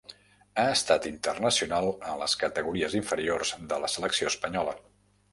Ha estat internacional en les categories inferiors de la selecció espanyola.